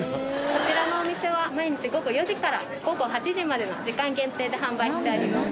こちらのお店は毎日午後４時から午後８時までの時間限定で販売しております。